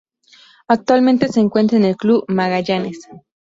Actualmente se encuentra en el club Magallanes.